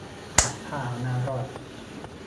ขายผ้าเอาหน้ารอด